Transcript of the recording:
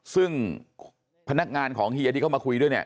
ซึ่งพนักงานของเฮียที่เข้ามาคุยด้วยเนี่ย